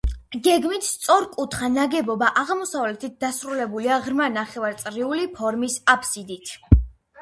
გეგმით სწორკუთხა ნაგებობა აღმოსავლეთით დასრულებულია ღრმა ნახევარწრიული ფორმის აბსიდით.